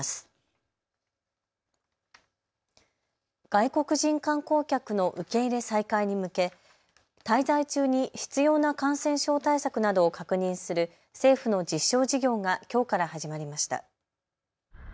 外国人観光客の受け入れ再開に向け滞在中に必要な感染症対策などを確認する政府の実証事業がきょうから始まりました。